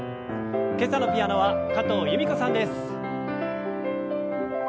今朝のピアノは加藤由美子さんです。